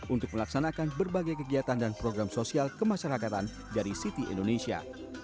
untuk melaksanakan berbagai kegiatan dan program sosial kemasyarakatan dari city indonesia